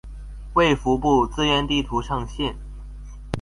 衛福部資源地圖上線